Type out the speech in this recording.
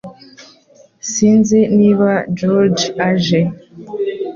Sinzi niba George aje